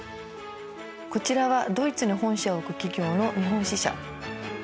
こちらはドイツに本社を置く企業の日本支社。